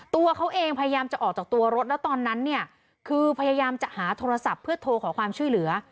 ตัวเขาเองพยายามจะออกจากตัวรถแล้วตอนนั้นเนี่ยคือพยายามจะหาโทรศัพท์เพื่อโทรขอความช่วยเหลือ